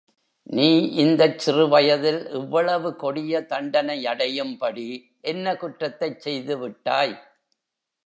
நீ இந்தச் சிறுவயதில் இவ்வளவு கொடிய தண்டனையடையும்படி என்ன குற்றத்தைச் செய்துவிட்டாய்?